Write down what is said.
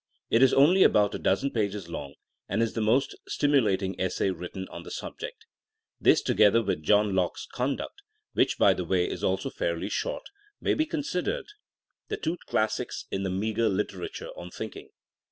It is only about a dozen pages long, and is the most stimulating essay written on the subject. This, together with John Locke's Conduct (which, by the way, is also fairly short) may be consid 248 THINKma AS A SCIENOE 249 ered the two ^^ classics'' in the meager literature on thinking.